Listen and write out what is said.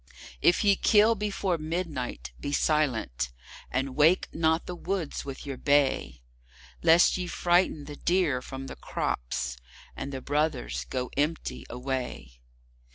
If ye kill before midnight, be silent, and wake not the woods with your bay, Lest ye frighten the deer from the crops, and the brothers go empty away.